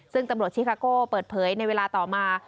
ซึ่งตำรวจชิคาโก้เปิดเผยในเวลาต่อมา